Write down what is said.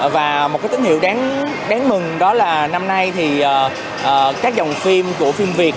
và một cái tín hiệu đáng mừng đó là năm nay thì các dòng phim của phim việt